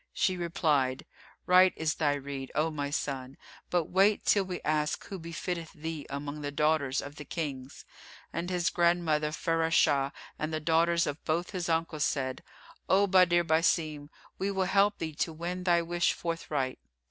She replied, "Right is thy rede, O my son, but wait till we ask who befitteth thee among the daughters of the Kings." And his grandmother Farashah, and the daughters of both his uncles said, "O Badr Basim, we will help thee to win thy wish forthright."